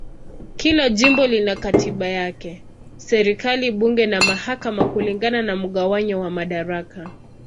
Kila jimbo lina katiba yake, serikali, bunge na mahakama kulingana na mgawanyo wa madaraka.